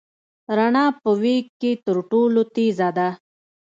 رڼا په وېګ کي تر ټولو تېزه ده.